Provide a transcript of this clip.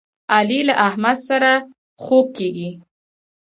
علي له احمد سره خوږ کېږي.